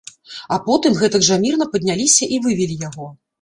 А потым гэтак жа мірна падняліся і вывелі яго.